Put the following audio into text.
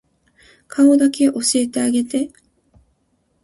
顔だけ教えてあげて